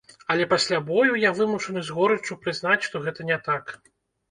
Але пасля бою я вымушаны з горыччу прызнаць, што гэта не так.